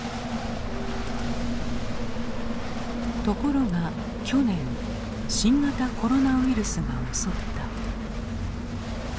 ところが去年新型コロナウイルスが襲った。